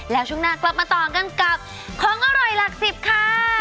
แล้วช่วงหน้ากลับมาต่อกันกับของอร่อยหลักสิบค่ะ